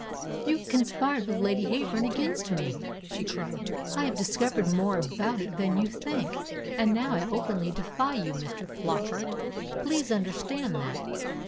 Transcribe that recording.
"You conspired with Lady Heyburn against me!" she cried. "I have discovered more about it than you think; and I now openly defy you, Mr. Flockart. Please understand that."